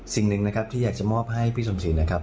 สิ่งหนึ่งที่อยากจะมอบให้พี่สมศีลนะครับ